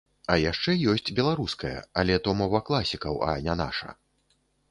А яшчэ ёсць беларуская, але то мова класікаў, а не наша.